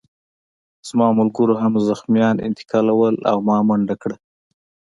زما ملګرو هم زخمیان انتقالول او ما منډه کړه